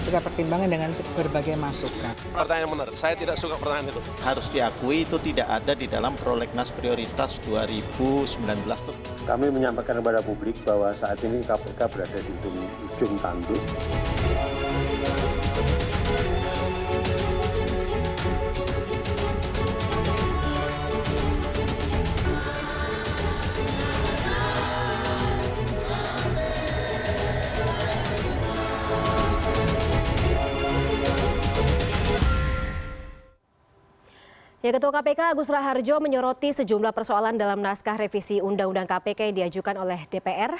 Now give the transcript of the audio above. ketua kpk agus raharjo menyoroti sejumlah persoalan dalam naskah revisi undang undang kpk yang diajukan oleh dpr